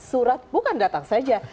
surat bukan datang saja